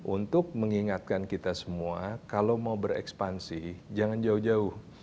untuk mengingatkan kita semua kalau mau berekspansi jangan jauh jauh